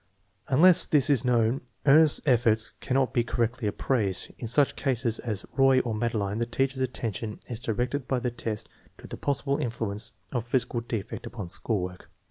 Unless this is known Ernest's efforts cannot be correctly appraised. La such cases as Roy or Madeline the teacher's attention is directed by the test to the possible influence of physi cal defect upon school work.